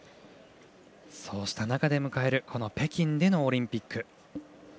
そうした中で迎える北京でのオリンピック。